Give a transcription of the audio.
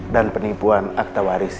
dan penipuan akta waris